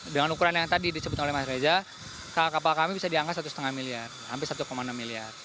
dengan ukuran yang tadi disebut oleh mas reza kapal kami bisa di angka satu lima miliar hampir satu enam miliar